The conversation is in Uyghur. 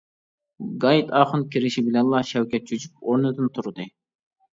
گايىت ئاخۇن كىرىشى بىلەنلا شەۋكەت چۆچۈپ ئورنىدىن تۇردى.